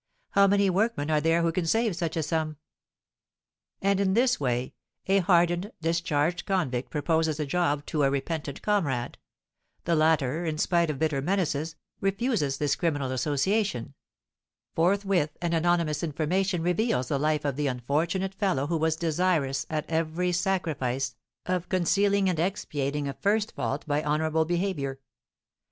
How many workmen are there who can save such a sum? And in this way: A hardened, discharged convict proposes a job to a repentant comrade; the latter, in spite of bitter menaces, refuses this criminal association; forthwith an anonymous information reveals the life of the unfortunate fellow who was desirous, at every sacrifice, of concealing and expiating a first fault by honourable behaviour.